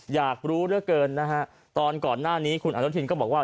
อยากรู้เหลือเกินนะฮะตอนก่อนหน้านี้คุณอนุทินก็บอกว่า